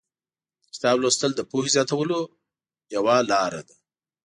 د کتاب لوستل د پوهې زیاتولو یوه لاره ده.